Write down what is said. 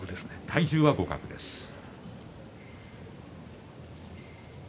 体重は互角ですね。